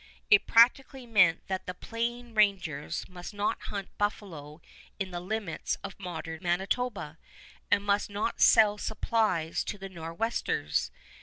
It practically meant that the Plain Rangers must not hunt buffalo in the limits of modern Manitoba, and must not sell supplies to the Nor'westers.